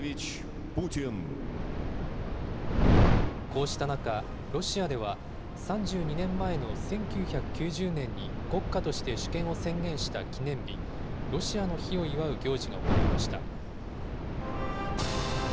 こうした中、ロシアでは３２年前の１９９０年に国家として主権を宣言した記念日、ロシアの日を祝う行事が行われました。